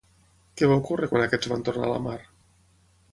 Què va ocórrer quan aquests van tornar a la mar?